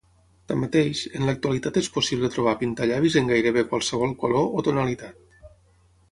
Tanmateix, en l'actualitat és possible trobar pintallavis en gairebé qualsevol color o tonalitat.